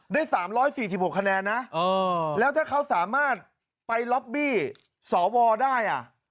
ได้๓๔๖คะแนนนะแล้วถ้าเขาสามารถไปล็อบบี้สวได้อ่ะ